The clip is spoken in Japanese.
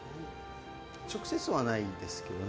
直接はないですね。